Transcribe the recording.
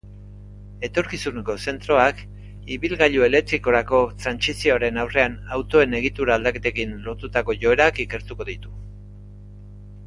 Etorkizuneko zentroak ibilgailu elektrikorako trantsizioaren aurrean autoen egitura-aldaketekin lotutako joerak ikertuko ditu.